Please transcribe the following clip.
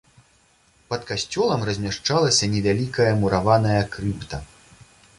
Пад касцёлам размяшчалася невялікая мураваная крыпта.